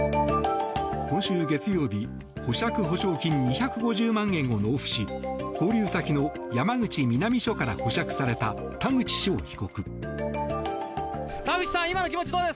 今週月曜日保釈保証金２５０万円を納付し交流先の山口南署から保釈された田口被告。